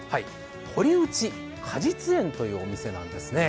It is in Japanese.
堀内果実園というお店なんですね。